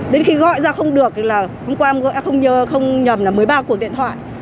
đến khi gọi ra không được là hôm qua không nhầm là một mươi ba cuộc điện thoại